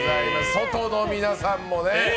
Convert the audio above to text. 外の皆さんもね。